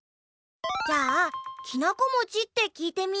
じゃあきなこもちってきいてみようよ。